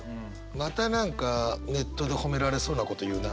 また何かネットで褒められそうなこと言うな。